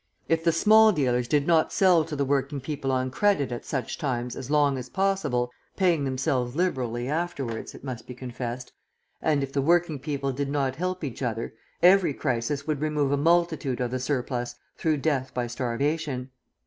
If the small dealers did not sell to the working people on credit at such times as long as possible paying themselves liberally afterwards, it must be confessed and if the working people did not help each other, every crisis would remove a multitude of the surplus through death by starvation.